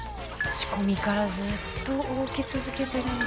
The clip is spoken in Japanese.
仕込みからずっと動き続けてるんだ。